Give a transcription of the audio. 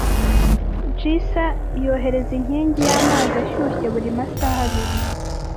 Geyser yohereza inkingi y'amazi ashyushye buri masaha abiri.